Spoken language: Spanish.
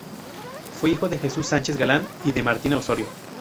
Fue hijo de Jesús Sánchez Galán y de Martina Osorio.